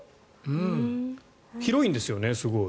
広いんですよね、すごい。